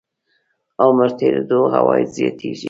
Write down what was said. عمر تېرېدو عواید زیاتېږي.